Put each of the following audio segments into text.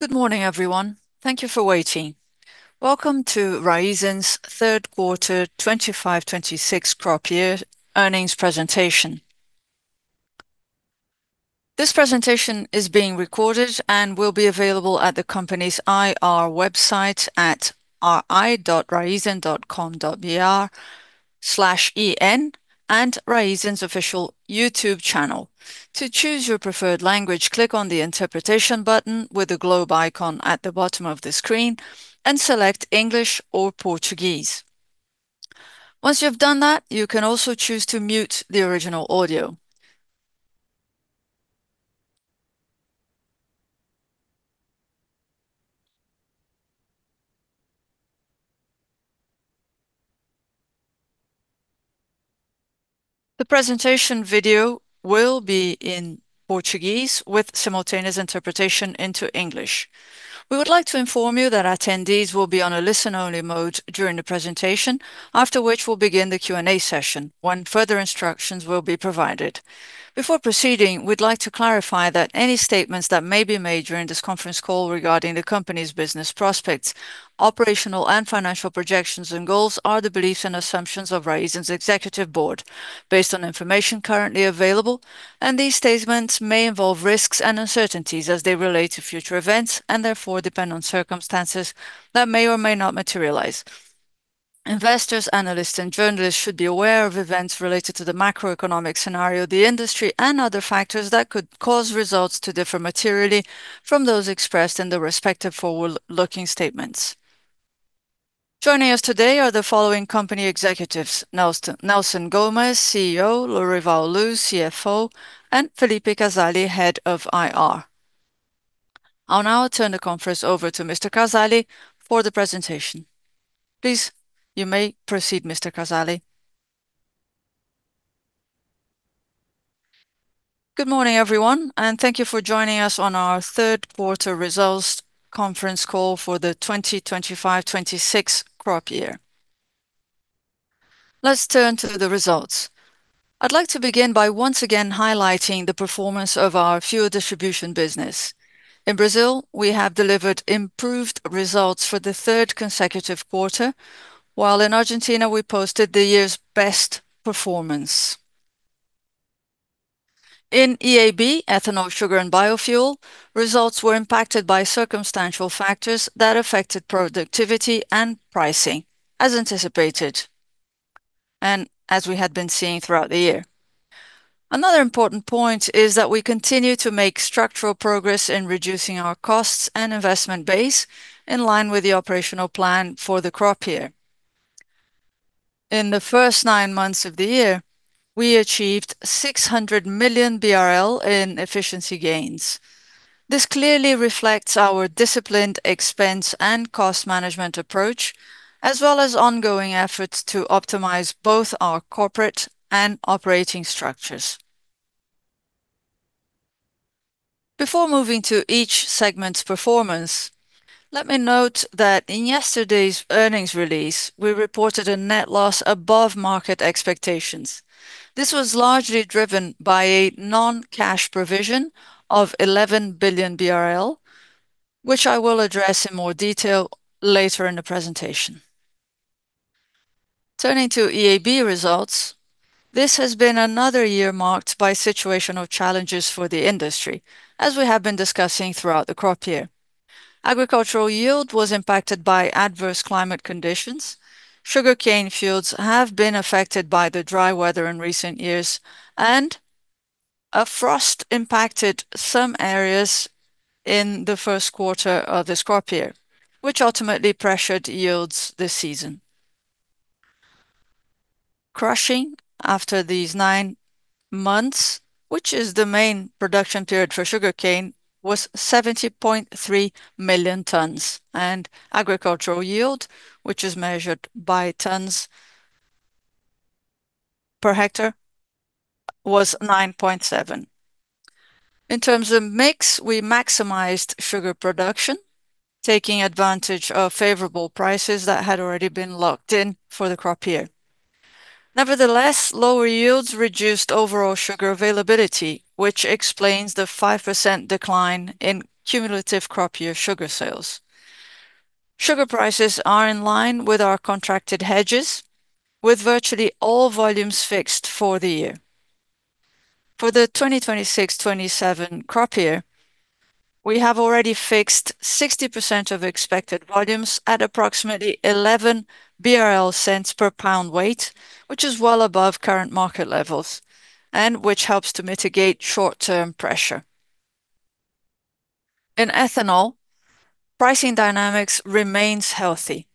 Good morning, everyone. Thank you for waiting. Welcome to Raízen's Third Quarter 2025-2026 Crop Year Earnings Presentation. This presentation is being recorded and will be available at the company's IR website at ri.raizen.com.br/en, and Raízen's official YouTube channel. To choose your preferred language, click on the Interpretation button with the globe icon at the bottom of the screen and select English or Portuguese. Once you've done that, you can also choose to mute the original audio. The presentation video will be in Portuguese with simultaneous interpretation into English. We would like to inform you that attendees will be on a listen-only mode during the presentation, after which we'll begin the Q&A session, when further instructions will be provided. Before proceeding, we'd like to clarify that any statements that may be made during this conference call regarding the company's business prospects, operational and financial projections and goals are the beliefs and assumptions of Raízen's executive board based on information currently available, and these statements may involve risks and uncertainties as they relate to future events, and therefore depend on circumstances that may or may not materialize. Investors, analysts, and journalists should be aware of events related to the macroeconomic scenario, the industry, and other factors that could cause results to differ materially from those expressed in the respective forward-looking statements. Joining us today are the following company executives: Nelson, Nelson Gomes, CEO, Lorival Luz, CFO, and Felipe Casali, Head of IR. I'll now turn the conference over to Mr. Casali for the presentation. Please, you may proceed, Mr. Casali. Good morning, everyone, and thank you for joining us on our third quarter results conference call for the 2025-2026 crop year. Let's turn to the results. I'd like to begin by once again highlighting the performance of our fuel distribution business. In Brazil, we have delivered improved results for the third consecutive quarter, while in Argentina we posted the year's best performance. In EAB, Ethanol, Sugar, and Biofuel, results were impacted by circumstantial factors that affected productivity and pricing, as anticipated and as we had been seeing throughout the year. Another important point is that we continue to make structural progress in reducing our costs and investment base in line with the operational plan for the crop year. In the first nine months of the year, we achieved 600 million BRL in efficiency gains. This clearly reflects our disciplined expense and cost management approach, as well as ongoing efforts to optimize both our corporate and operating structures. Before moving to each segment's performance, let me note that in yesterday's earnings release, we reported a net loss above market expectations. This was largely driven by a non-cash provision of 11 billion BRL, which I will address in more detail later in the presentation. Turning to EAB results, this has been another year marked by situational challenges for the industry, as we have been discussing throughout the crop year. Agricultural yield was impacted by adverse climate conditions. Sugarcane fields have been affected by the dry weather in recent years, and a frost impacted some areas in the first quarter of this crop year, which ultimately pressured yields this season. Crushing after these nine months, which is the main production period for sugarcane, was 70.3 million tons, and agricultural yield, which is measured by tons per hectare, was 9.7. In terms of mix, we maximized sugar production, taking advantage of favorable prices that had already been locked in for the crop year. Nevertheless, lower yields reduced overall sugar availability, which explains the 5% decline in cumulative crop year sugar sales. Sugar prices are in line with our contracted hedges, with virtually all volumes fixed for the year. For the 2026-2027 crop year, we have already fixed 60% of expected volumes at approximately 11 BRL cents per pound weight, which is well above current market levels and which helps to mitigate short-term pressure. In ethanol, pricing dynamics remains healthy,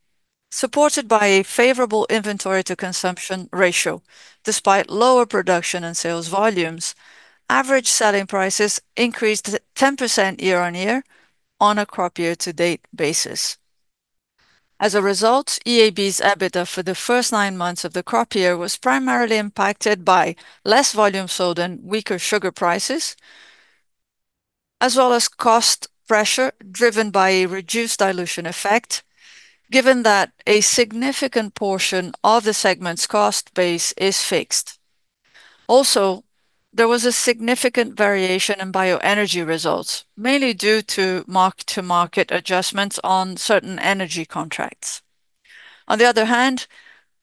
supported by a favorable inventory-to-consumption ratio. Despite lower production and sales volumes, average selling prices increased 10% year-on-year on a crop year to date basis. As a result, EAB's EBITDA for the first nine months of the crop year was primarily impacted by less volume sold and weaker sugar prices, as well as cost pressure driven by a reduced dilution effect, given that a significant portion of the segment's cost base is fixed. Also, there was a significant variation in bioenergy results, mainly due to mark-to-market adjustments on certain energy contracts. On the other hand,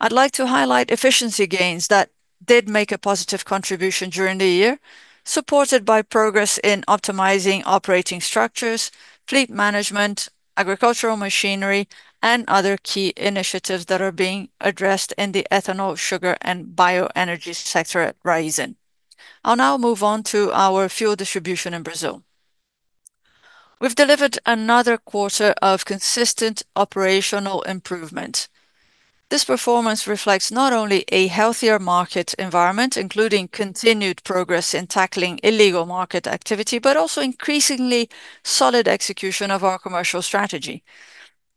I'd like to highlight efficiency gains that did make a positive contribution during the year, supported by progress in optimizing operating structures, fleet management, agricultural machinery, and other key initiatives that are being addressed in the ethanol, sugar, and bioenergy sector at Raízen. I'll now move on to our fuel distribution in Brazil. We've delivered another quarter of consistent operational improvement. This performance reflects not only a healthier market environment, including continued progress in tackling illegal market activity, but also increasingly solid execution of our commercial strategy.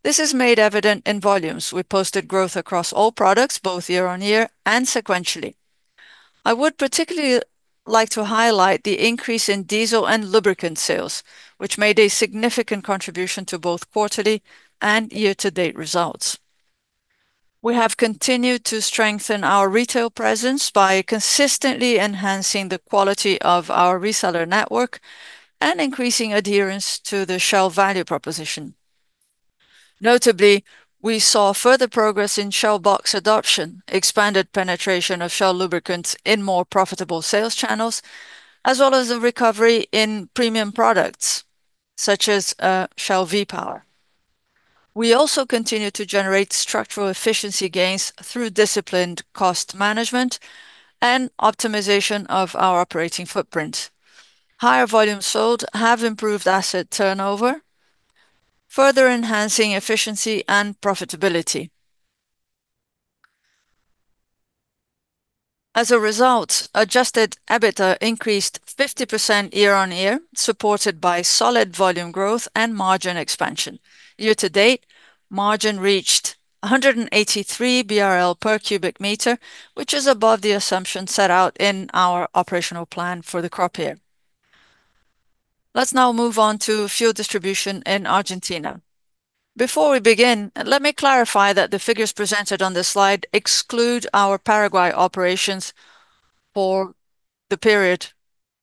This is made evident in volumes. We posted growth across all products, both year-on-year and sequentially. I would particularly like to highlight the increase in diesel and lubricant sales, which made a significant contribution to both quarterly and year-to-date results. We have continued to strengthen our retail presence by consistently enhancing the quality of our reseller network and increasing adherence to the Shell value proposition. Notably, we saw further progress in Shell Box adoption, expanded penetration of Shell lubricants in more profitable sales channels, as well as a recovery in premium products, such as Shell V-Power. We also continue to generate structural efficiency gains through disciplined cost management and optimization of our operating footprint. Higher volumes sold have improved asset turnover, further enhancing efficiency and profitability. As a result, adjusted EBITDA increased 50% year-on-year, supported by solid volume growth and margin expansion. Year to date, margin reached 183 BRL per cubic meter, which is above the assumption set out in our operational plan for the crop year. Let's now move on to fuel distribution in Argentina. Before we begin, let me clarify that the figures presented on this slide exclude our Paraguay operations for the period,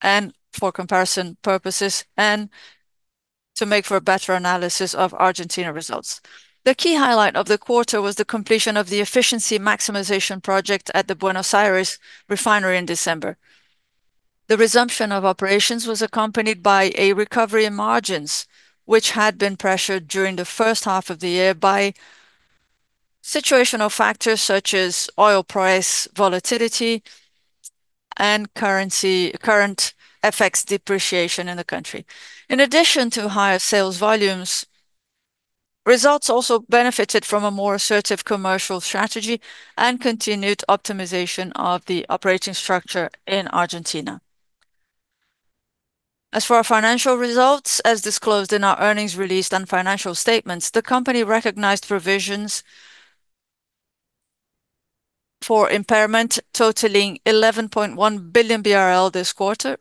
and for comparison purposes, and to make for a better analysis of Argentina results. The key highlight of the quarter was the completion of the efficiency maximization project at the Buenos Aires refinery in December. The resumption of operations was accompanied by a recovery in margins, which had been pressured during the first half of the year by situational factors such as oil price volatility and current FX depreciation in the country. In addition to higher sales volumes, results also benefited from a more assertive commercial strategy and continued optimization of the operating structure in Argentina. As for our financial results, as disclosed in our earnings release and financial statements, the company recognized provisions for impairment totaling 11.1 billion BRL this quarter,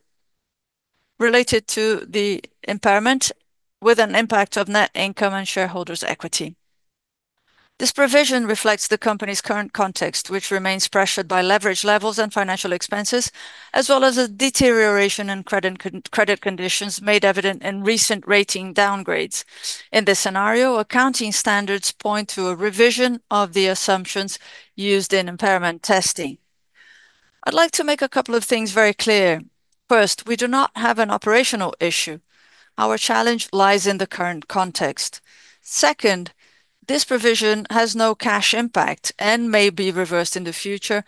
related to the impairment, with an impact of net income and shareholders' equity. This provision reflects the company's current context, which remains pressured by leverage levels and financial expenses, as well as a deterioration in credit conditions made evident in recent rating downgrades. In this scenario, accounting standards point to a revision of the assumptions used in impairment testing. I'd like to make a couple of things very clear. First, we do not have an operational issue. Our challenge lies in the current context. Second, this provision has no cash impact and may be reversed in the future,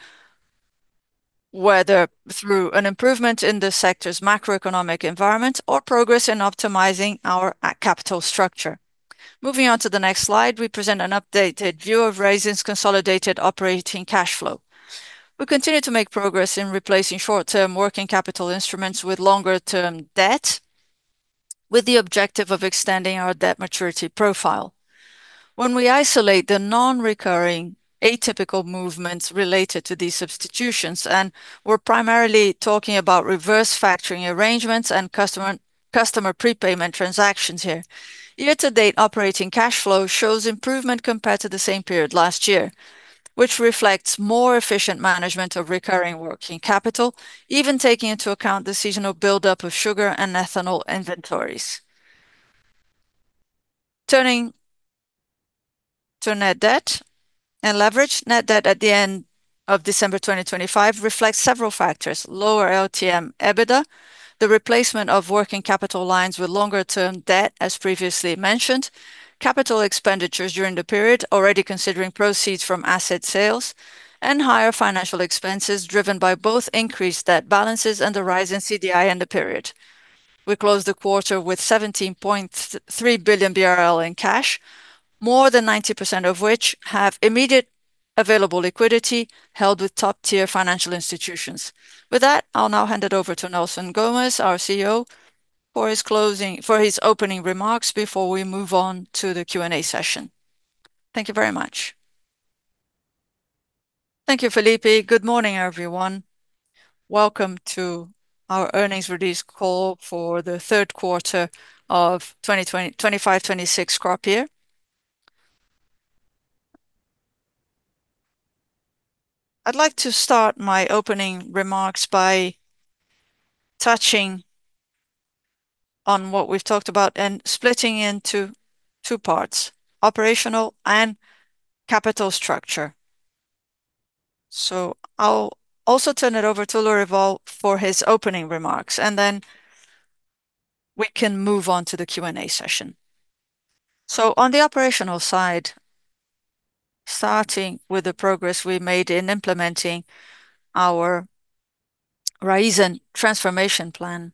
whether through an improvement in the sector's macroeconomic environment or progress in optimizing our capital structure. Moving on to the next slide, we present an updated view of Raízen's consolidated operating cash flow. We continue to make progress in replacing short-term working capital instruments with longer-term debt, with the objective of extending our debt maturity profile. When we isolate the non-recurring atypical movements related to these substitutions, and we're primarily talking about reverse factoring arrangements and customer prepayment transactions here, year-to-date operating cash flow shows improvement compared to the same period last year, which reflects more efficient management of recurring working capital, even taking into account the seasonal buildup of sugar and ethanol inventories. Turning to net debt and leverage. Net debt at the end of December 2025 reflects several factors: lower LTM EBITDA, the replacement of working capital lines with longer-term debt, as previously mentioned, capital expenditures during the period, already considering proceeds from asset sales, and higher financial expenses driven by both increased debt balances and the rise in CDI in the period. We closed the quarter with 17.3 billion BRL in cash, more than 90% of which have immediate available liquidity held with top-tier financial institutions. With that, I'll now hand it over to Nelson Gomes, our CEO, for his closing... For his opening remarks before we move on to the Q&A session. Thank you very much. Thank you, Felipe. Good morning, everyone. Welcome to our earnings release call for the third quarter of 2025-26 crop year. I'd like to start my opening remarks by touching on what we've talked about and splitting into two parts: operational and capital structure. So I'll also turn it over to Lorival for his opening remarks, and then we can move on to the Q&A session. So on the operational side, starting with the progress we made in implementing our Raízen transformation plan.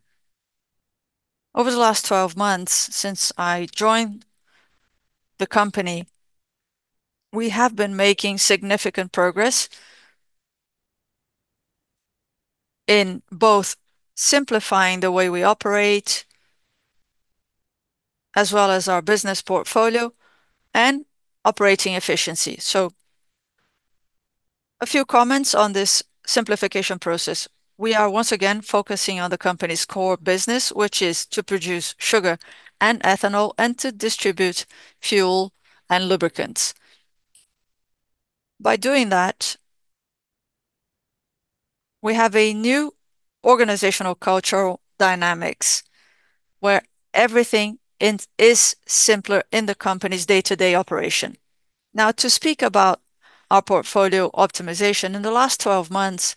Over the last 12 months since I joined the company, we have been making significant progress in both simplifying the way we operate, as well as our business portfolio and operating efficiency. A few comments on this simplification process. We are once again focusing on the company's core business, which is to produce sugar and ethanol and to distribute fuel and lubricants. By doing that, we have a new organizational cultural dynamics, where everything is simpler in the company's day-to-day operation. Now, to speak about our portfolio optimization, in the last 12 months,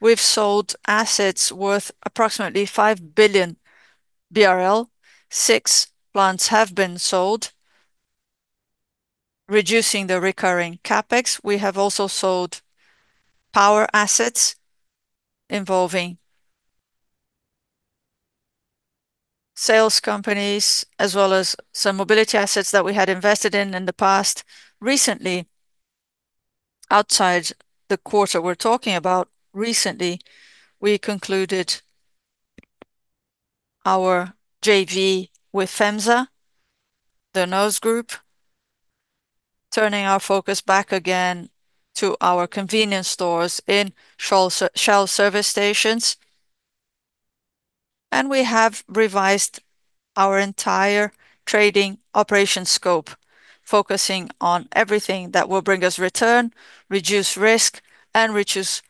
we've sold assets worth approximately 5 billion BRL. Six plants have been sold, reducing the recurring CapEx. We have also sold power assets involving sales companies, as well as some mobility assets that we had invested in, in the past. Recently, outside the quarter we're talking about, we concluded our JV with FEMSA, the Grupo Nós, turning our focus back again to our convenience stores in Shell service stations. We have revised our entire trading operation scope, focusing on everything that will bring us return, reduce risk, and reduce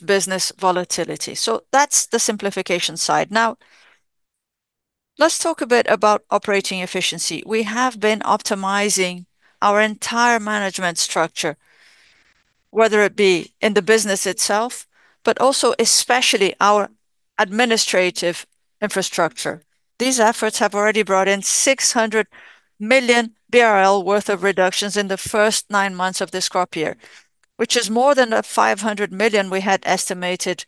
business volatility. So that's the simplification side. Now, let's talk a bit about operating efficiency. We have been optimizing our entire management structure, whether it be in the business itself, but also especially our administrative infrastructure. These efforts have already brought in 600 million BRL worth of reductions in the first nine months of this crop year, which is more than the 500 million we had estimated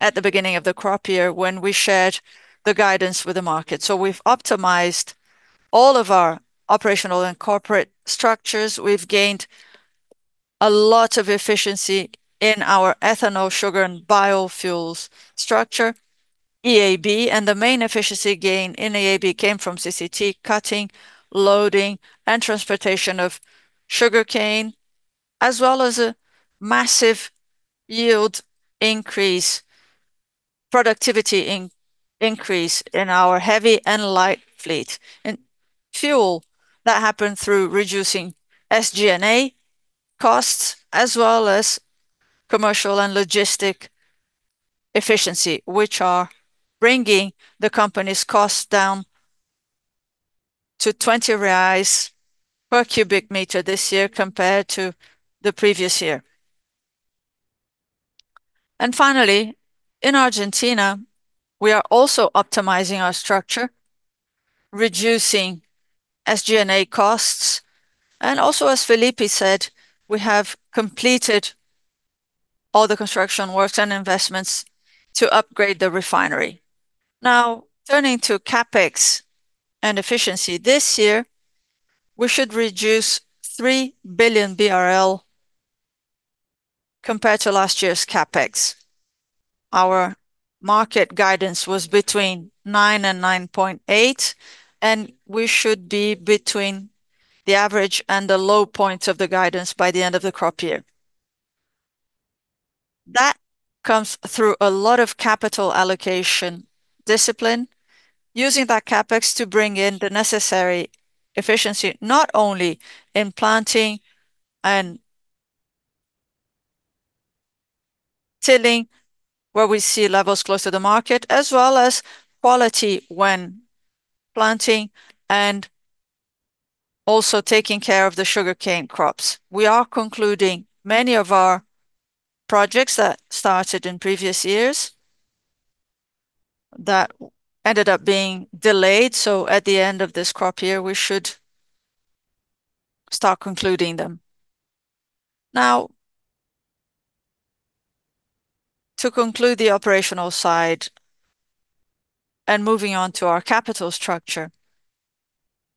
at the beginning of the crop year when we shared the guidance with the market. So we've optimized all of our operational and corporate structures. We've gained a lot of efficiency in our ethanol, sugar, and biofuels structure, EAB, and the main efficiency gain in EAB came from CCT, cutting, loading, and transportation of sugarcane, as well as a massive yield increase, increase in our heavy and light fleet. In fuel, that happened through reducing SG&A costs, as well as commercial and logistic efficiency, which are bringing the company's costs down to 20 reais per cubic meter this year compared to the previous year. And finally, in Argentina, we are also optimizing our structure, reducing SG&A costs, and also, as Felipe said, we have completed all the construction works and investments to upgrade the refinery. Now, turning to CapEx and efficiency. This year, we should reduce 3 billion BRL compared to last year's CapEx. Our market guidance was between 9 and 9.8, and we should be between the average and the low point of the guidance by the end of the crop year. That comes through a lot of capital allocation discipline, using that CapEx to bring in the necessary efficiency, not only in planting and tilling, where we see levels close to the market, as well as quality when planting and also taking care of the sugarcane crops. We are concluding many of our projects that started in previous years, that ended up being delayed, so at the end of this crop year, we should start concluding them. Now, to conclude the operational side and moving on to our capital structure,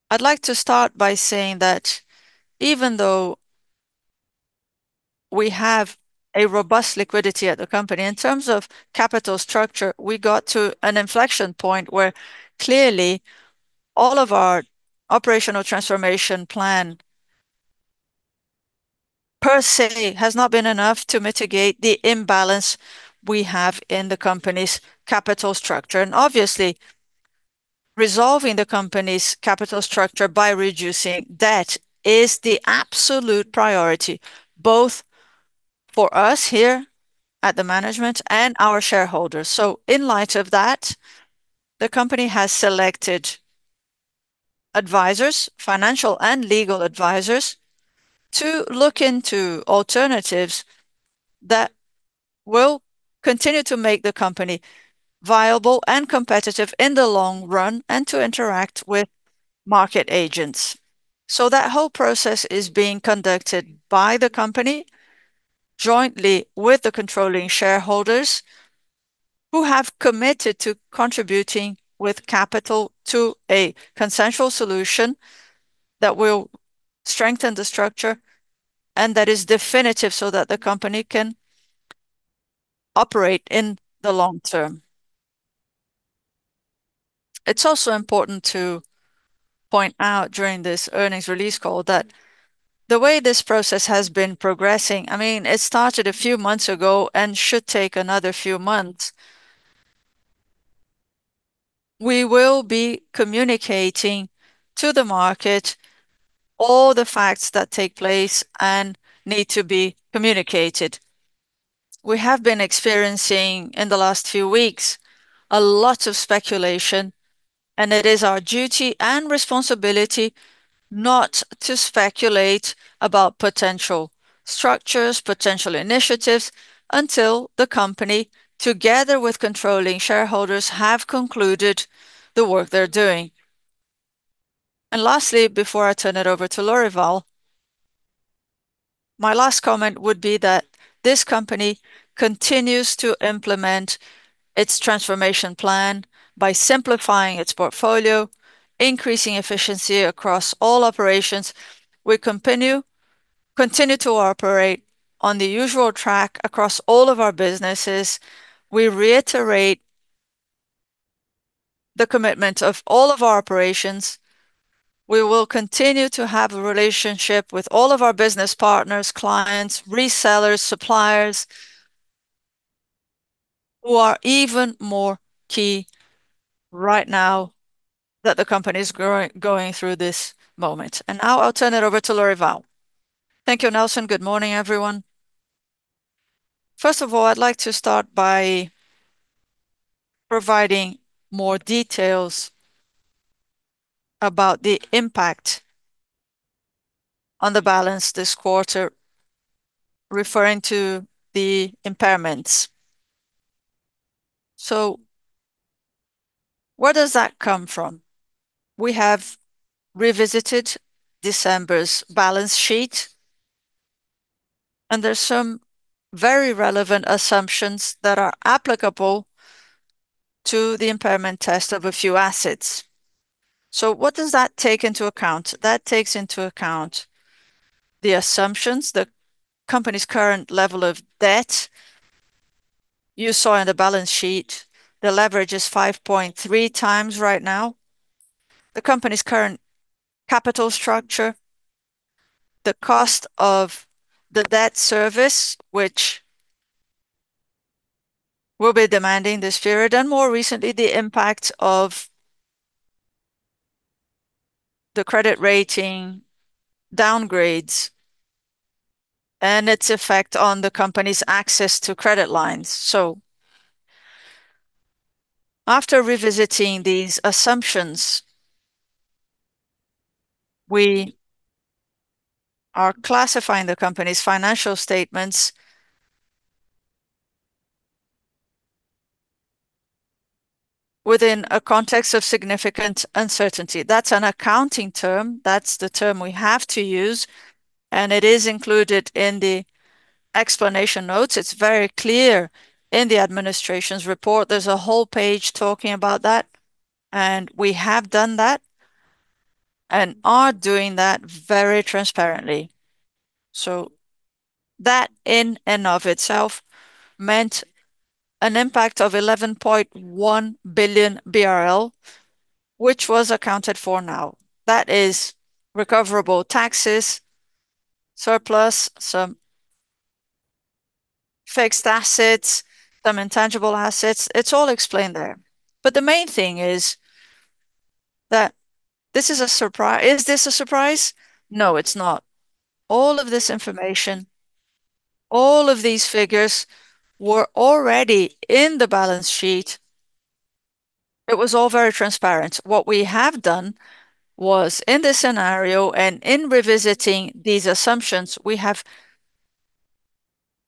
I'd like to start by saying that even though we have a robust liquidity at the company, in terms of capital structure, we got to an inflection point where clearly all of our operational transformation plan per se has not been enough to mitigate the imbalance we have in the company's capital structure. And obviously, resolving the company's capital structure by reducing debt is the absolute priority, both for us here at the management and our shareholders. So in light of that, the company has selected advisors, financial and legal advisors, to look into alternatives that will continue to make the company viable and competitive in the long run, and to interact with market agents. So that whole process is being conducted by the company jointly with the controlling shareholders, who have committed to contributing with capital to a consensual solution that will strengthen the structure, and that is definitive so that the company can operate in the long term. It's also important to point out during this earnings release call, that the way this process has been progressing, I mean, it started a few months ago and should take another few months. We will be communicating to the market all the facts that take place and need to be communicated. We have been experiencing, in the last few weeks, a lot of speculation, and it is our duty and responsibility not to speculate about potential structures, potential initiatives, until the company, together with controlling shareholders, have concluded the work they're doing. Last, before I turn it over to Lorival, my last comment would be that this company continues to implement its transformation plan by simplifying its portfolio, increasing efficiency across all operations. We continue to operate on the usual track across all of our businesses. We reiterate the commitment of all of our operations. We will continue to have a relationship with all of our business partners, clients, resellers, suppliers, who are even more key right now that the company is going through this moment. And now I'll turn it over to Lorival. Thank you, Nelson. Good morning, everyone. First of all, I'd like to start by providing more details about the impact on the balance this quarter, referring to the impairments. So where does that come from? We have revisited December's balance sheet, and there's some very relevant assumptions that are applicable to the impairment test of a few assets. So what does that take into account? That takes into account the assumptions, the company's current level of debt. You saw in the balance sheet, the leverage is 5.3 times right now. The company's current capital structure, the cost of the debt service, which will be demanding this period, and more recently, the impact of the credit rating downgrades and its effect on the company's access to credit lines. So after revisiting these assumptions, we are classifying the company's financial statements within a context of significant uncertainty. That's an accounting term. That's the term we have to use, and it is included in the explanation notes. It's very clear in the administration's report, there's a whole page talking about that, and we have done that, and are doing that very transparently. So that in and of itself, meant an impact of 11.1 billion BRL, which was accounted for now. That is recoverable taxes, surplus, some fixed assets, some intangible assets. It's all explained there. But the main thing is that this is a surprise... Is this a surprise? No, it's not. All of this information, all of these figures, were already in the balance sheet. It was all very transparent. What we have done was, in this scenario, and in revisiting these assumptions, we have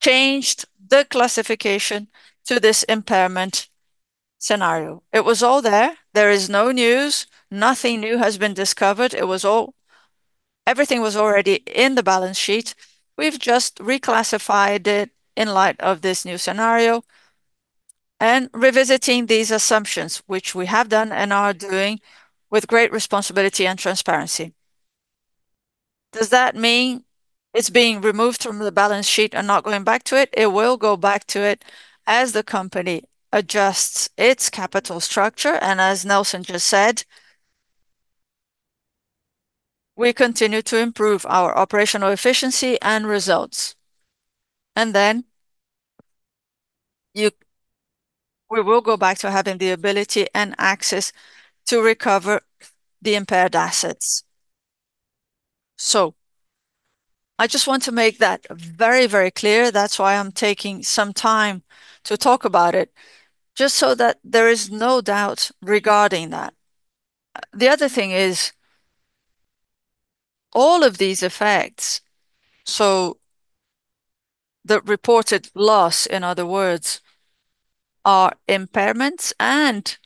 changed the classification to this impairment scenario. It was all there. There is no news. Nothing new has been discovered. It was all, everything was already in the balance sheet. We've just reclassified it in light of this new scenario, and revisiting these assumptions, which we have done and are doing with great responsibility and transparency. Does that mean it's being removed from the balance sheet and not going back to it? It will go back to it as the company adjusts its capital structure. And as Nelson just said, we continue to improve our operational efficiency and results. And then, we will go back to having the ability and access to recover the impaired assets. So I just want to make that very, very clear. That's why I'm taking some time to talk about it, just so that there is no doubt regarding that. The other thing is, all of these effects, so the reported loss, in other words, are impairments and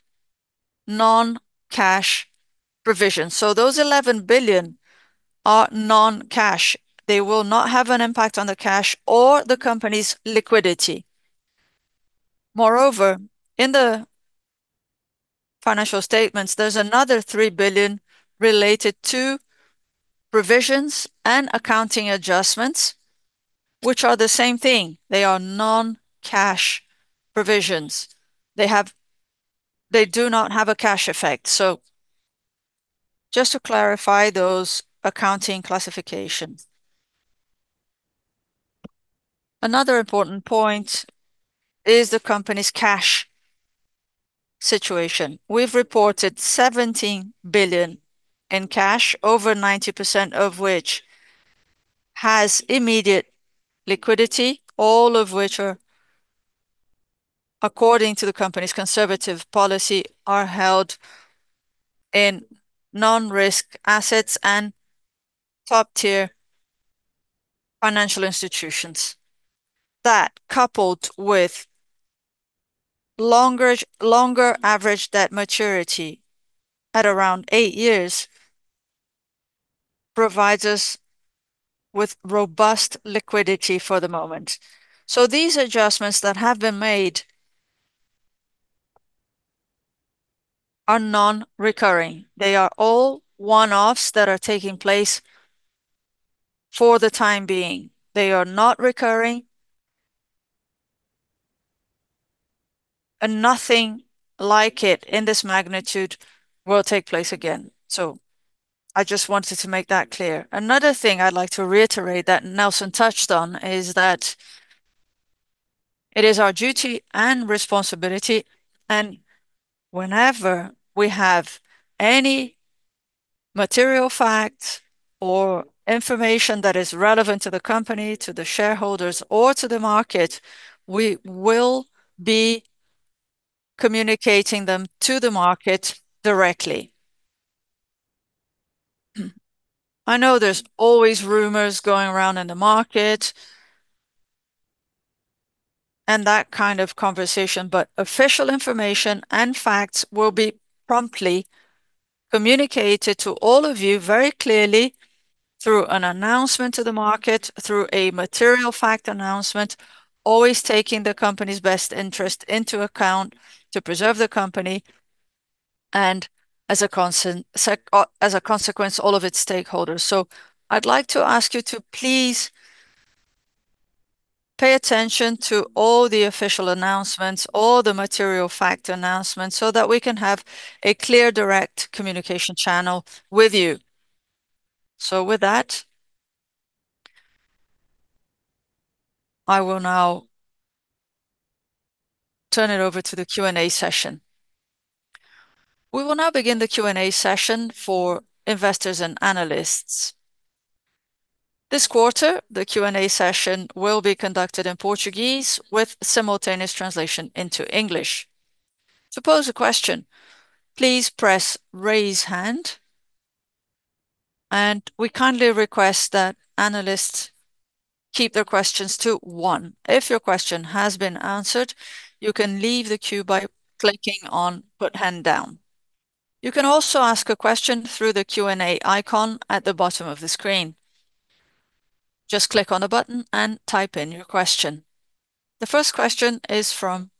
non-cash provisions. So those 11 billion are non-cash. They will not have an impact on the cash or the company's liquidity. Moreover, in the financial statements, there's another 3 billion related to provisions and accounting adjustments, which are the same thing. They are non-cash provisions. They do not have a cash effect. So just to clarify those accounting classifications. Another important point is the company's cash situation. We've reported 17 billion in cash, over 90% of which has immediate liquidity, all of which are, according to the company's conservative policy, are held in non-risk assets and top-tier financial institutions. That, coupled with longer average debt maturity, at around 8 years, provides us with robust liquidity for the moment. So these adjustments that have been made are non-recurring. They are all one-offs that are taking place for the time being. They are not recurring, and nothing like it in this magnitude will take place again. So I just wanted to make that clear. Another thing I'd like to reiterate that Nelson touched on is that it is our duty and responsibility, and whenever we have any material facts or information that is relevant to the company, to the shareholders, or to the market, we will be communicating them to the market directly. I know there's always rumors going around in the market and that kind of conversation, but official information and facts will be promptly communicated to all of you very clearly through an announcement to the market, through a material fact announcement, always taking the company's best interest into account to preserve the company and as a consequence, all of its stakeholders. So I'd like to ask you to please pay attention to all the official announcements, all the material fact announcements, so that we can have a clear, direct communication channel with you. So with that, I will now turn it over to the Q&A session. We will now begin the Q&A session for investors and analysts. This quarter, the Q&A session will be conducted in Portuguese with simultaneous translation into English. To pose a question, please press raise hand, and we kindly request that analysts keep their questions to one. If your question has been answered, you can leave the queue by clicking on put hand down. You can also ask a question through the Q&A icon at the bottom of the screen. Just click on the button and type in your question. The first question is from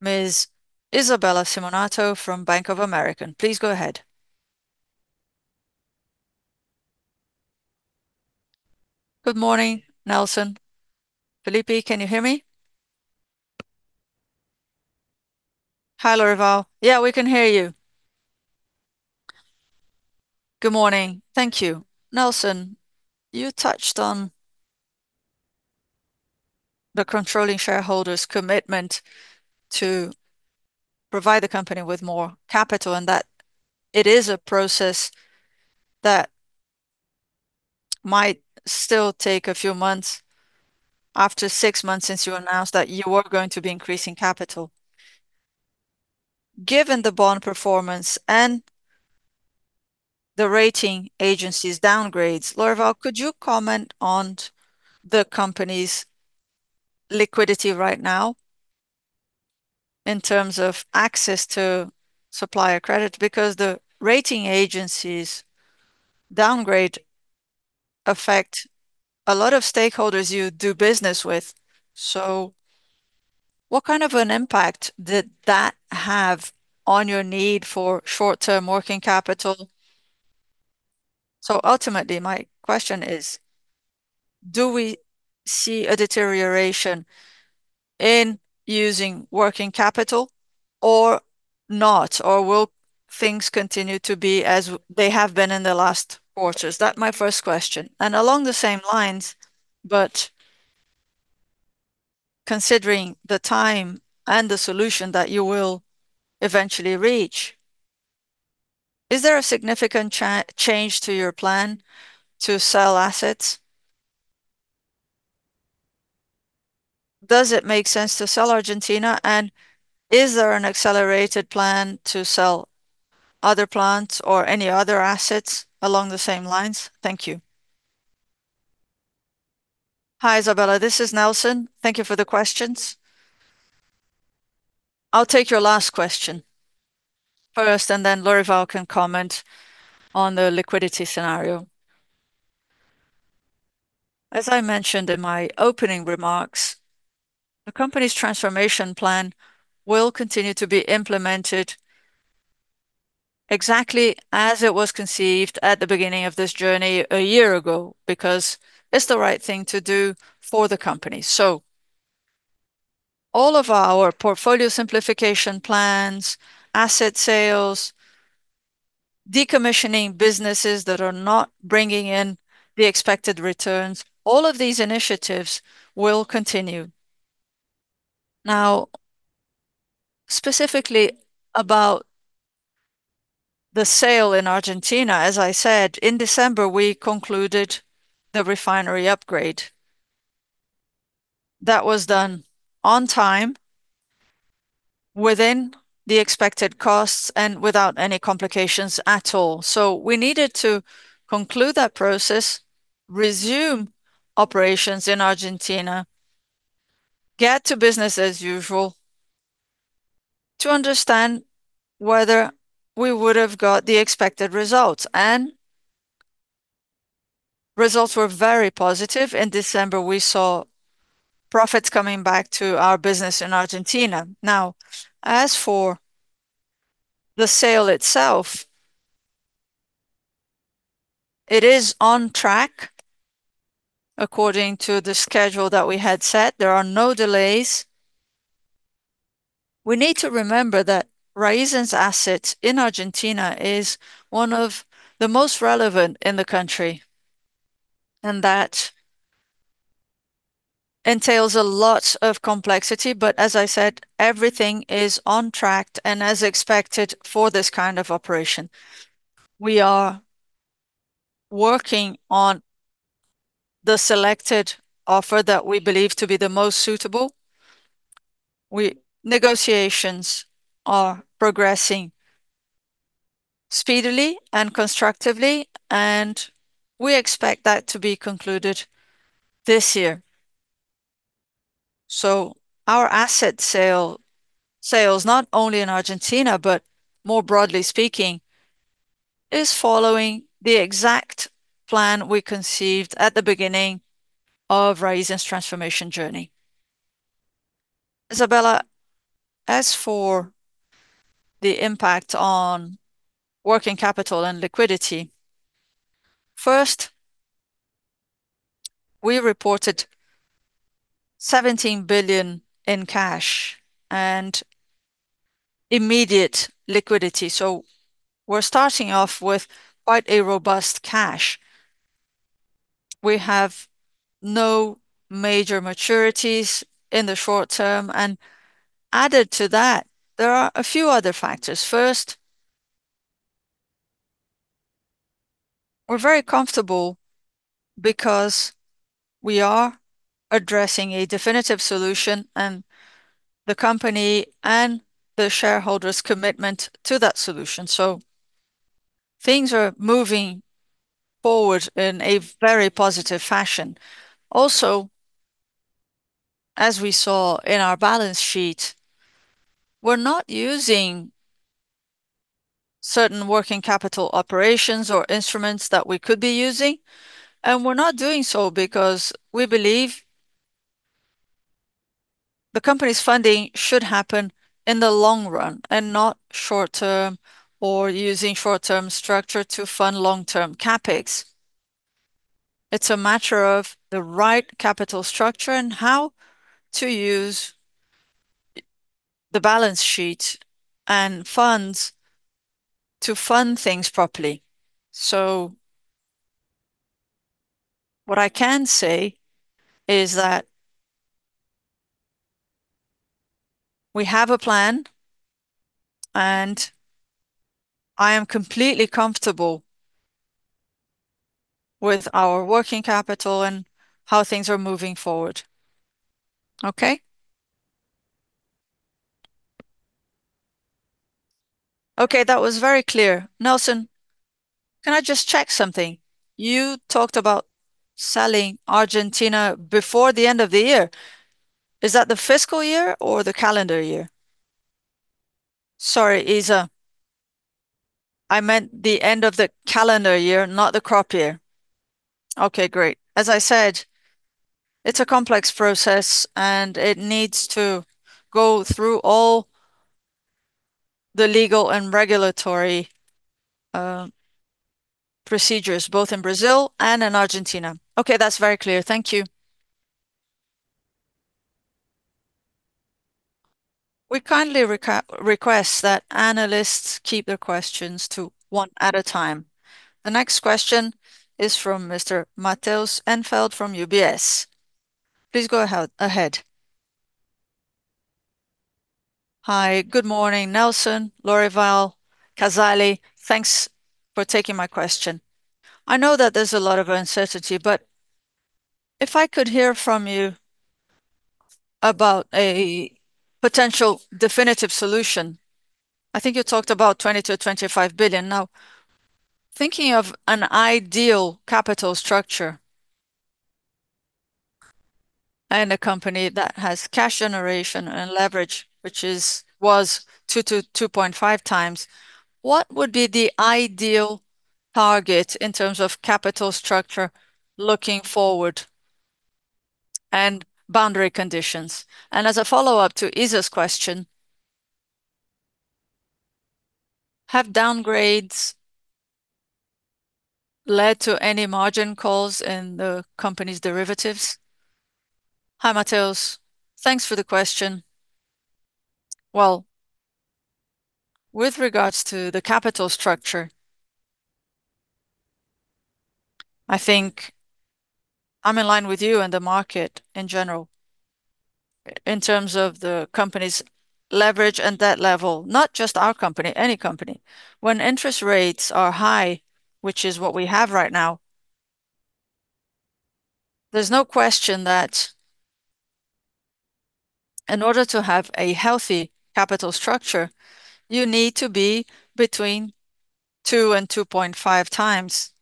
Ms. Isabella Simonato from Bank of America. Please go ahead. Good morning, Nelson. Felipe, can you hear me? Hi, Lorival. Yeah, we can hear you. Good morning. Thank you. Nelson, you touched on the controlling shareholder's commitment to provide the company with more capital, and that it is a process that might still take a few months, after 6 months since you announced that you were going to be increasing capital. Given the bond performance and the rating agencies' downgrades, Lorival, could you comment on the company's liquidity right now in terms of access to supplier credit? Because the rating agencies' downgrade affect a lot of stakeholders you do business with, so what kind of an impact did that have on your need for short-term working capital? So ultimately, my question is... do we see a deterioration in using working capital or not? Or will things continue to be as they have been in the last quarters? That's my first question. And along the same lines, but considering the time and the solution that you will eventually reach, is there a significant change to your plan to sell assets? Does it make sense to sell Argentina, and is there an accelerated plan to sell other plants or any other assets along the same lines? Thank you. Hi, Isabella, this is Nelson. Thank you for the questions. I'll take your last question first, and then Lorival can comment on the liquidity scenario. As I mentioned in my opening remarks, the company's transformation plan will continue to be implemented exactly as it was conceived at the beginning of this journey a year ago, because it's the right thing to do for the company. So all of our portfolio simplification plans, asset sales, decommissioning businesses that are not bringing in the expected returns, all of these initiatives will continue. Now, specifically about the sale in Argentina, as I said, in December, we concluded the refinery upgrade. That was done on time, within the expected costs, and without any complications at all. So we needed to conclude that process, resume operations in Argentina, get to business as usual, to understand whether we would have got the expected results, and results were very positive. In December, we saw profits coming back to our business in Argentina. Now, as for the sale itself, it is on track according to the schedule that we had set. There are no delays. We need to remember that Raízen's asset in Argentina is one of the most relevant in the country, and that entails a lot of complexity, but as I said, everything is on track and as expected for this kind of operation. We are working on the selected offer that we believe to be the most suitable. Negotiations are progressing speedily and constructively, and we expect that to be concluded this year. So our asset sale, sales, not only in Argentina, but more broadly speaking, is following the exact plan we conceived at the beginning of Raízen's transformation journey. Isabella, as for the impact on working capital and liquidity, first, we reported 17 billion in cash and immediate liquidity, so we're starting off with quite a robust cash. We have no major maturities in the short term, and added to that, there are a few other factors. First, we're very comfortable because we are addressing a definitive solution, and the company and the shareholders' commitment to that solution, so things are moving forward in a very positive fashion. Also, as we saw in our balance sheet, we're not using certain working capital operations or instruments that we could be using, and we're not doing so because we believe the company's funding should happen in the long run, and not short term or using short-term structure to fund long-term CapEx. It's a matter of the right capital structure and how to use the balance sheet and funds to fund things properly. So what I can say is that we have a plan, and I am completely comfortable with our working capital and how things are moving forward. Okay? Okay, that was very clear. Nelson, can I just check something? You talked about selling Argentina before the end of the year. Is that the fiscal year or the calendar year? Sorry, Isa, I meant the end of the calendar year, not the crop year. Okay, great. As I said, it's a complex process, and it needs to go through the legal and regulatory procedures, both in Brazil and in Argentina. Okay, that's very clear. Thank you. We kindly request that analysts keep their questions to one at a time. The next question is from Mr. Matheus Enfeldt from UBS. Please go ahead. Hi, good morning, Nelson, Lorival, Casali. Thanks for taking my question. I know that there's a lot of uncertainty, but if I could hear from you about a potential definitive solution? I think you talked about 20 billion-25 billion. Now, thinking of an ideal capital structure, and a company that has cash generation and leverage, which was 2-2.5 times, what would be the ideal target in terms of capital structure looking forward, and boundary conditions? As a follow-up to Iza's question, have downgrades led to any margin calls in the company's derivatives? Hi, Mateus. Thanks for the question. Well, with regards to the capital structure, I think I'm in line with you and the market in general, in terms of the company's leverage and debt level, not just our company, any company. When interest rates are high, which is what we have right now, there's no question that in order to have a healthy capital structure, you need to be between 2 and 2.5 times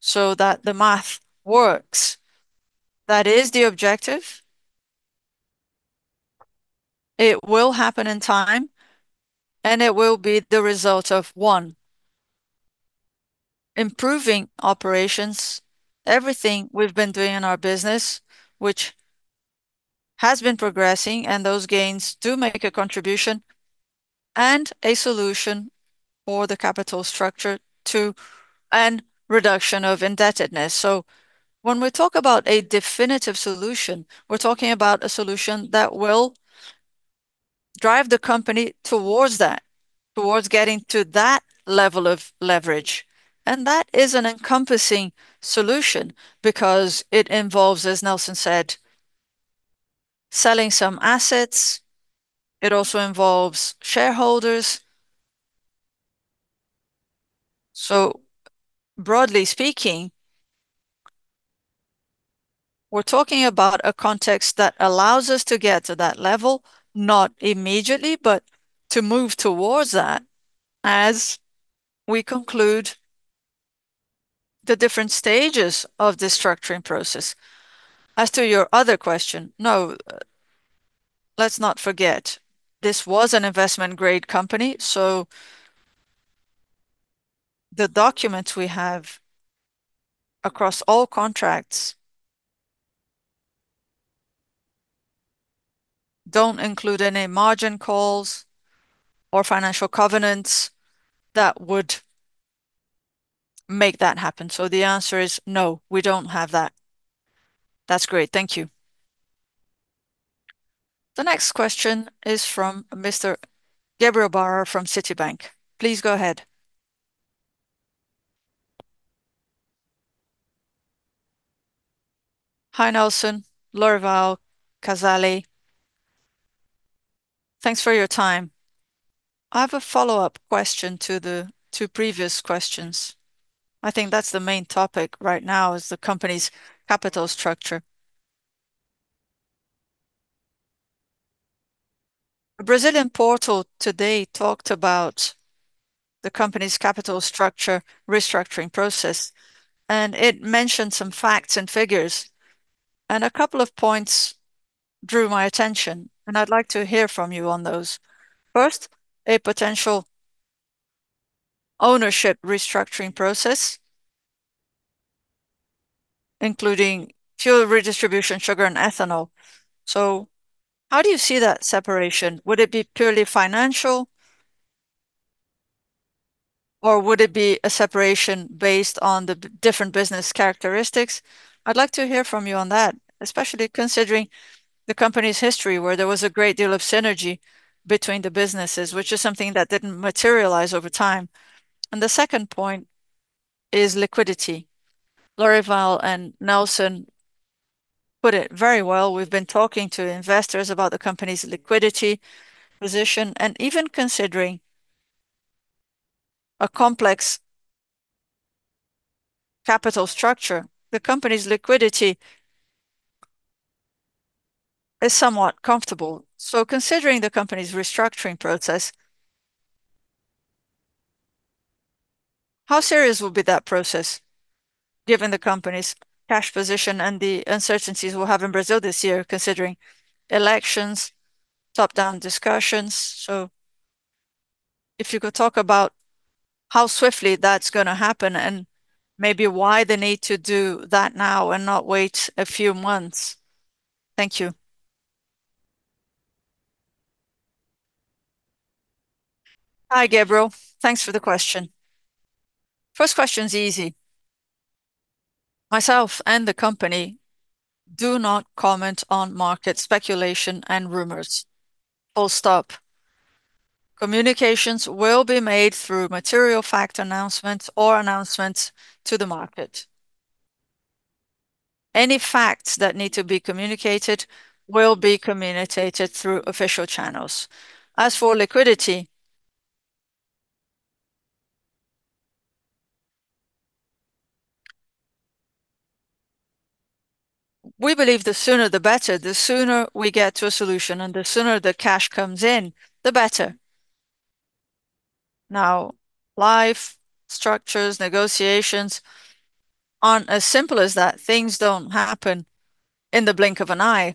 so that the math works. That is the objective. It will happen in time, and it will be the result of, one, improving operations, everything we've been doing in our business, which has been progressing, and those gains do make a contribution, and a solution for the capital structure to a reduction of indebtedness. So when we talk about a definitive solution, we're talking about a solution that will drive the company towards that, towards getting to that level of leverage, and that is an encompassing solution because it involves, as Nelson said, selling some assets. It also involves shareholders. So broadly speaking, we're talking about a context that allows us to get to that level, not immediately, but to move towards that as we conclude the different stages of the structuring process. As to your other question, no, let's not forget, this was an investment-grade company, so the documents we have across all contracts don't include any margin calls or financial covenants that would make that happen. So the answer is no, we don't have that. That's great. Thank you. The next question is from Mr. Gabriel Barra from Citibank. Please go ahead. Hi, Nelson, Lorival, Casali. Thanks for your time. I have a follow-up question to the two previous questions. I think that's the main topic right now, is the company's capital structure. A Brazilian portal today talked about the company's capital structure restructuring process, and it mentioned some facts and figures, and a couple of points drew my attention, and I'd like to hear from you on those. First, a potential ownership restructuring process, including fuel redistribution, sugar, and ethanol. So how do you see that separation? Would it be purely financial, or would it be a separation based on the different business characteristics? I'd like to hear from you on that, especially considering the company's history, where there was a great deal of synergy between the businesses, which is something that didn't materialize over time. And the second point is liquidity. Lorival and Nelson put it very well. We've been talking to investors about the company's liquidity position, and even considering a complex capital structure, the company's liquidity is somewhat comfortable. So considering the company's restructuring process, how serious will be that process, given the company's cash position and the uncertainties we'll have in Brazil this year, considering elections, top-down discussions? So if you could talk about how swiftly that's gonna happen, and maybe why the need to do that now and not wait a few months? Thank you. Hi, Gabriel. Thanks for the question. First question's easy. Myself and the company do not comment on market speculation and rumors. Full stop. Communications will be made through material fact announcements or announcements to the market. Any facts that need to be communicated will be communicated through official channels. As for liquidity, we believe the sooner, the better. The sooner we get to a solution and the sooner the cash comes in, the better. Now, life, structures, negotiations aren't as simple as that. Things don't happen in the blink of an eye,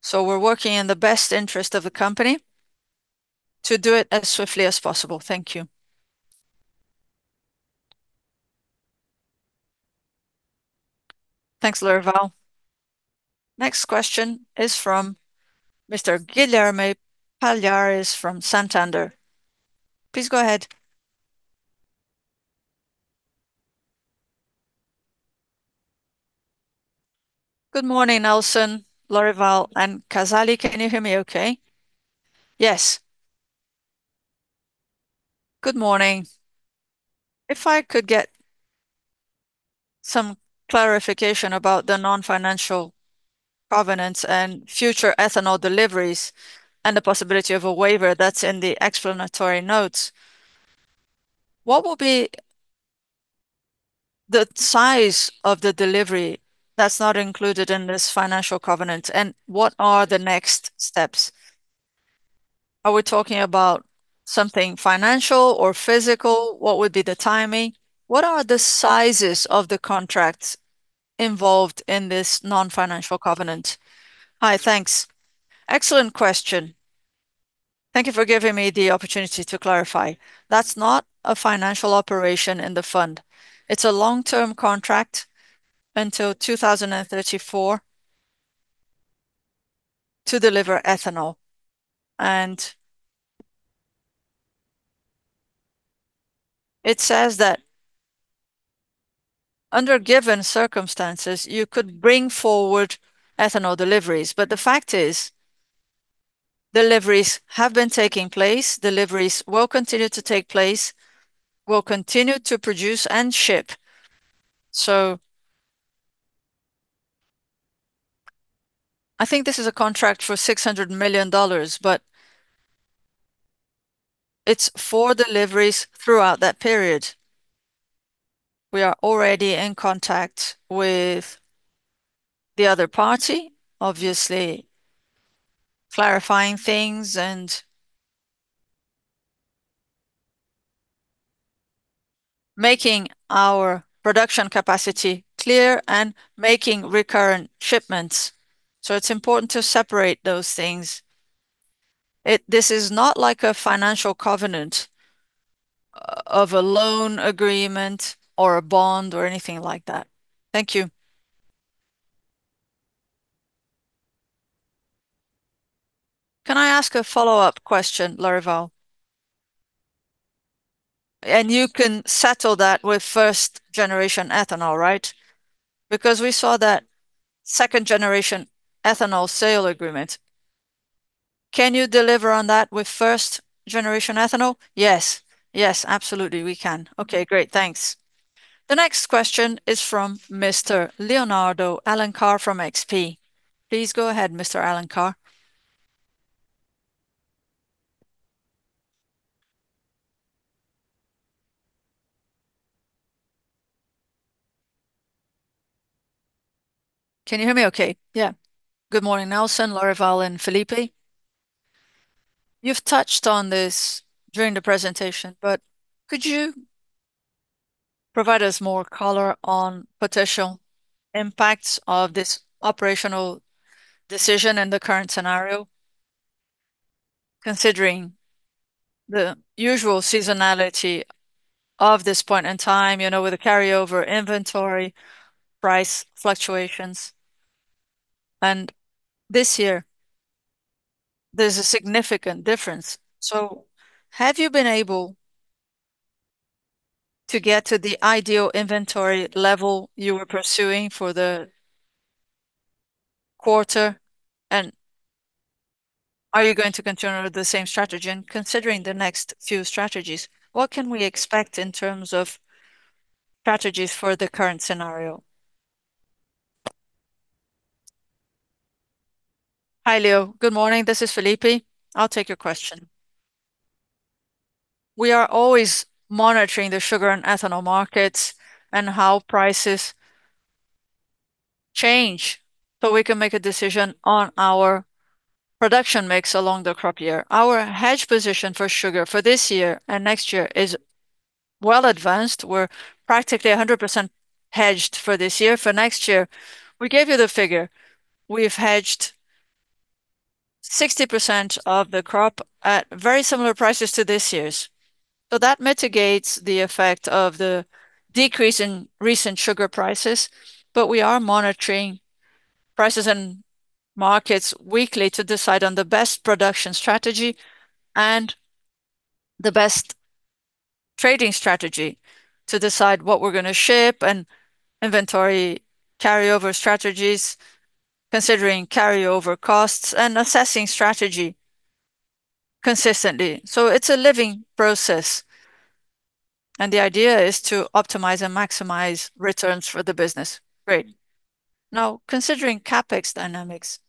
so we're working in the best interest of the company to do it as swiftly as possible. Thank you. Thanks, Lorival. Next question is from Mr. Guilherme Palhares from Santander. Please go ahead. Good morning, Nelson, Lorival, and Casali. Can you hear me okay? Yes. Good morning. If I could get some clarification about the non-financial governance and future ethanol deliveries, and the possibility of a waiver that's in the explanatory notes, what will be the size of the delivery that's not included in this financial covenant, and what are the next steps? Are we talking about something financial or physical? What would be the timing? What are the sizes of the contracts involved in this non-financial covenant? Hi, thanks. Excellent question. Thank you for giving me the opportunity to clarify. That's not a financial operation in the fund. It's a long-term contract until 2034 to deliver ethanol, and it says that under given circumstances, you could bring forward ethanol deliveries. But the fact is, deliveries have been taking place, deliveries will continue to take place. We'll continue to produce and ship. So I think this is a contract for $600 million, but it's 4 deliveries throughout that period. We are already in contact with the other party, obviously clarifying things and making our production capacity clear, and making recurrent shipments, so it's important to separate those things. It. This is not like a financial covenant, of a loan agreement or a bond, or anything like that. Thank you. Can I ask a follow-up question, Lorival? And you can settle that with first-generation ethanol, right? Because we saw that second-generation ethanol sale agreement. Can you deliver on that with first-generation ethanol? Yes. Yes, absolutely, we can. Okay, great. Thanks. The next question is from Mr. Leonardo Alencar from XP. Please go ahead, Mr. Alencar. Can you hear me okay? Yeah. Good morning, Nelson, Lorival, and Felipe. You've touched on this during the presentation, but could you provide us more color on potential impacts of this operational decision in the current scenario, considering the usual seasonality of this point in time, you know, with the carryover inventory, price fluctuations? And this year, there's a significant difference. So have you been able to get to the ideal inventory level you were pursuing for the quarter, and are you going to continue with the same strategy? Considering the next few strategies, what can we expect in terms of strategies for the current scenario? Hi, Leo. Good morning, this is Felipe. I'll take your question. We are always monitoring the sugar and ethanol markets, and how prices change so we can make a decision on our production mix along the crop year. Our hedge position for sugar for this year and next year is well advanced. We're practically 100% hedged for this year. For next year, we gave you the figure. We've hedged 60% of the crop at very similar prices to this year's. So that mitigates the effect of the decrease in recent sugar prices, but we are monitoring prices and markets weekly to decide on the best production strategy and the best trading strategy, to decide what we're gonna ship, and inventory carryover strategies, considering carryover costs, and assessing strategy consistently. So it's a living process, and the idea is to optimize and maximize returns for the business. Great. Now, considering CapEx dynamics,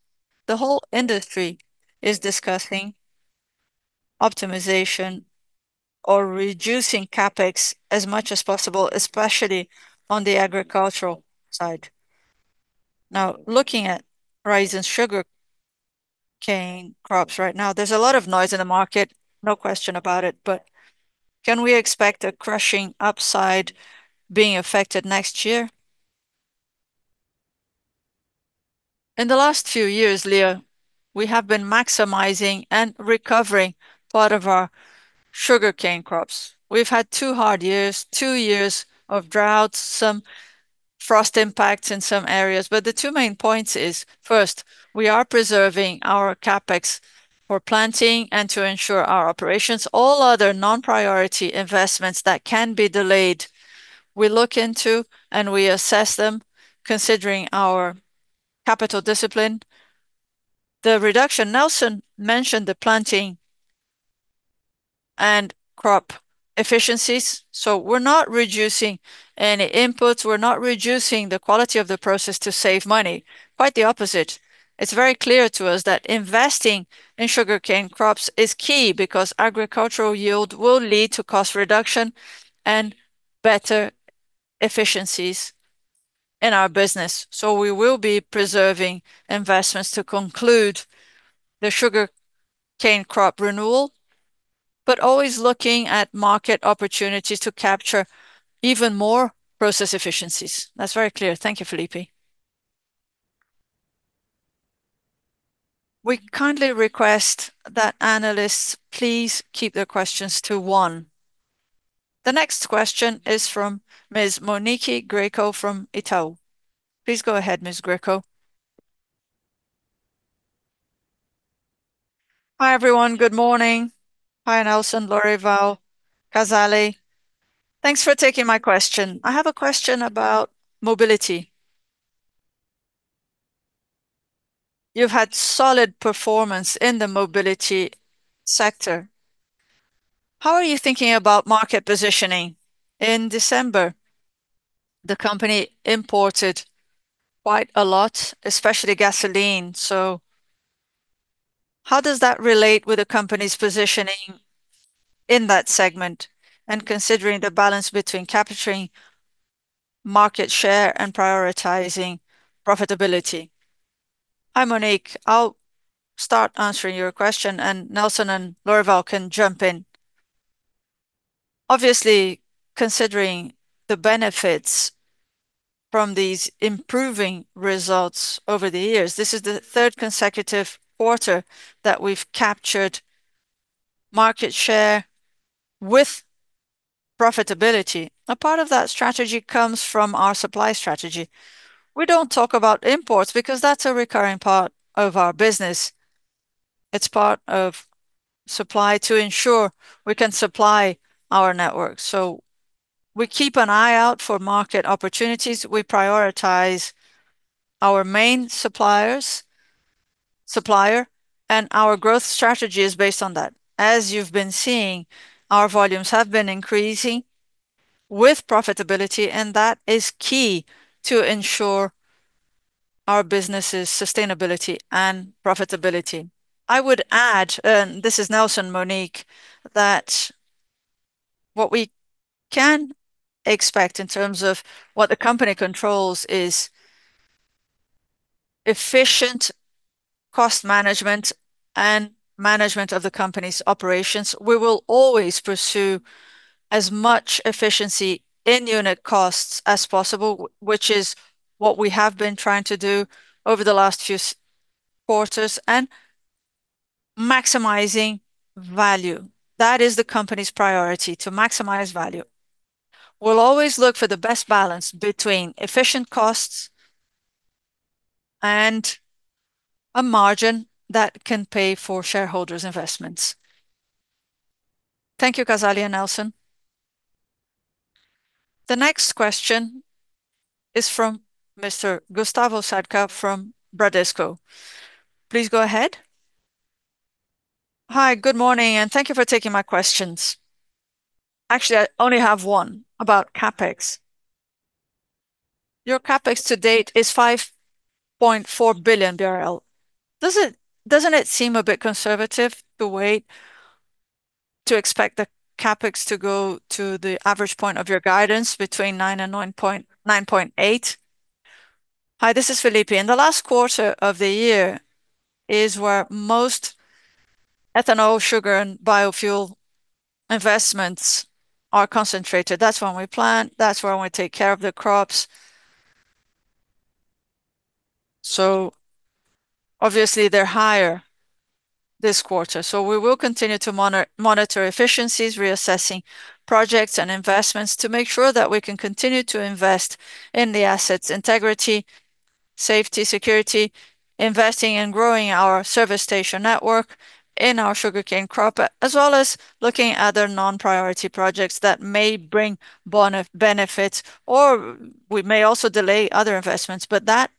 the whole industry is discussing optimization or reducing CapEx as much as possible, especially on the agricultural side. Now, looking at rising sugarcane crops right now, there's a lot of noise in the market, no question about it, but can we expect a crushing upside being affected next year? In the last few years, Leo, we have been maximizing and recovering part of our sugarcane crops. We've had two hard years, two years of droughts, some frost impacts in some areas. But the two main points is, first, we are preserving our CapEx for planting and to ensure our operations. All other non-priority investments that can be delayed, we look into and we assess them, considering our capital discipline. The reduction, Nelson mentioned the planting and crop efficiencies, so we're not reducing any inputs. We're not reducing the quality of the process to save money. Quite the opposite. It's very clear to us that investing in sugarcane crops is key, because agricultural yield will lead to cost reduction and better efficiencies in our business. So we will be preserving investments to conclude the sugar cane crop renewal, but always looking at market opportunities to capture even more process efficiencies. That's very clear. Thank you, Felipe. We kindly request that analysts please keep their questions to one. The next question is from Ms. Monique Grego from Itaú. Please go ahead, Ms. Grego. Hi, everyone. Good morning. Hi, Nelson, Lorival, Casali. Thanks for taking my question. I have a question about mobility. You've had solid performance in the mobility sector. How are you thinking about market positioning? In December, the company imported quite a lot, especially gasoline, so how does that relate with the company's positioning in that segment, and considering the balance between capturing market share and prioritizing profitability? Hi, Monique. I'll start answering your question, and Nelson and Lorival can jump in. Obviously, considering the benefits from these improving results over the years, this is the third consecutive quarter that we've captured market share with profitability. A part of that strategy comes from our supply strategy. We don't talk about imports, because that's a recurring part of our business. It's part of supply to ensure we can supply our network. So we keep an eye out for market opportunities. We prioritize our main suppliers, supplier, and our growth strategy is based on that. As you've been seeing, our volumes have been increasing with profitability, and that is key to ensure our business' sustainability and profitability. I would add, this is Nelson, Monique, that what we can expect in terms of what the company controls is efficient cost management and management of the company's operations. We will always pursue as much efficiency in unit costs as possible, which is what we have been trying to do over the last few quarters, and maximizing value. That is the company's priority, to maximize value. We'll always look for the best balance between efficient costs and a margin that can pay for shareholders' investments. Thank you, Casali and Nelson. The next question is from Mr. Gustavo Sadka from Bradesco. Please go ahead. Hi, good morning, and thank you for taking my questions. Actually, I only have one about CapEx. Your CapEx to date is 5.4 billion BRL. Doesn't it seem a bit conservative the way to expect the CapEx to go to the average point of your guidance between 9 and 9.8? Hi, this is Felipe. In the last quarter of the year is where most ethanol, sugar, and biofuel investments are concentrated. That's when we plant, that's when we take care of the crops. So obviously, they're higher this quarter. So we will continue to monitor efficiencies, reassessing projects and investments, to make sure that we can continue to invest in the assets' integrity, safety, security, investing in growing our service station network in our sugarcane crop, as well as looking at other non-priority projects that may bring benefits, or we may also delay other investments. But that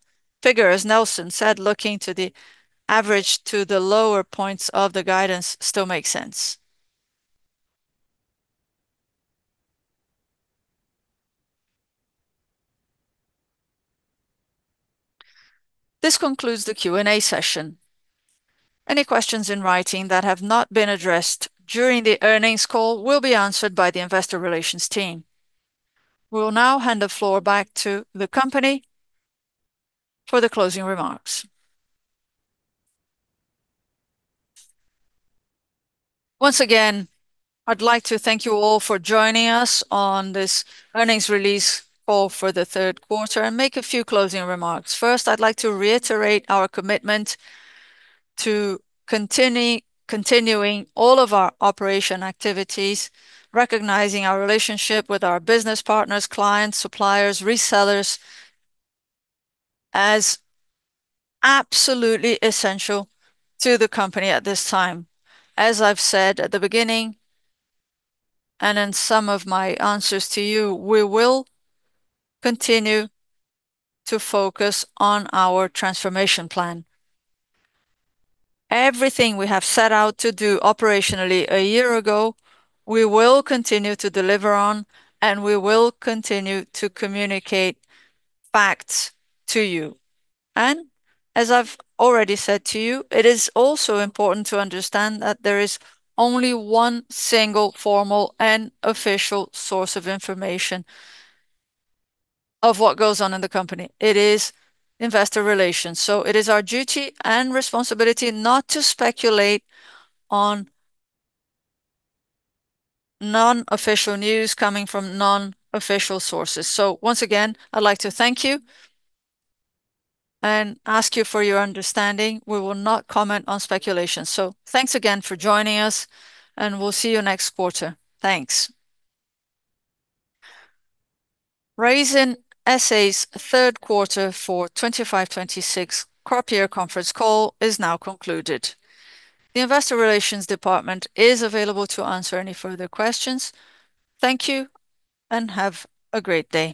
figure, as Nelson said, looking to the average, to the lower points of the guidance, still makes sense. This concludes the Q&A session. Any questions in writing that have not been addressed during the earnings call will be answered by the investor relations team. We will now hand the floor back to the company for the closing remarks. Once again, I'd like to thank you all for joining us on this earnings release call for the third quarter, and make a few closing remarks. First, I'd like to reiterate our commitment to continuing all of our operation activities, recognizing our relationship with our business partners, clients, suppliers, resellers, as absolutely essential to the company at this time. As I've said at the beginning, and in some of my answers to you, we will continue to focus on our transformation plan. Everything we have set out to do operationally a year ago, we will continue to deliver on, and we will continue to communicate facts to you. As I've already said to you, it is also important to understand that there is only one single formal and official source of information of what goes on in the company. It is investor relations. It is our duty and responsibility not to speculate on non-official news coming from non-official sources. Once again, I'd like to thank you, and ask you for your understanding. We will not comment on speculation. Thanks again for joining us, and we'll see you next quarter. Thanks. Raízen S.A.'s Third Quarter for 2025-2026 Crop Year Conference Call is now concluded. The investor relations department is available to answer any further questions. Thank you, and have a great day.